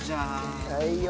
はいよ。